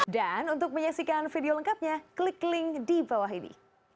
dan untuk menyaksikan video lengkapnya klik link di bawah ini